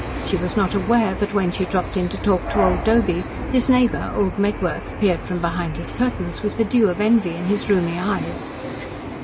She was not aware that when she dropped in to talk to old Doby, his neighbour, old Megworth, peered from behind his curtains, with the dew of envy in his rheumy eyes.